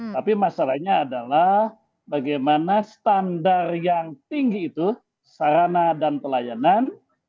tapi masalahnya adalah bagaimana standar yang tinggi itu sarana dan pelayanan